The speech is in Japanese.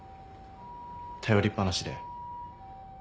頼りっぱなしで。